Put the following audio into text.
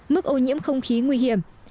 mức ô nhiễm không khí nguy hiểm